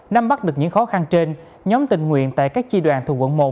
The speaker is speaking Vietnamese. năm bắt được những khó khăn trên nhóm tình nguyện tại các chi đoàn thuộc quận một